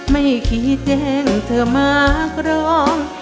ไม่คิดแจ้งเธอมากรอง